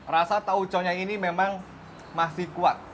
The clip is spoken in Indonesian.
rasa tauconya ini memang masih kuat